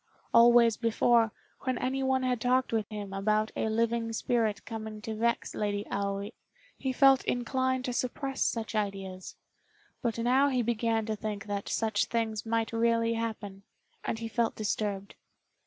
Always before, when anyone had talked with him about a living spirit coming to vex Lady Aoi, he felt inclined to suppress such ideas; but now he began to think that such things might really happen, and he felt disturbed.